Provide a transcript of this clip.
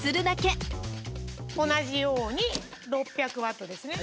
同じように６００Ｗですね。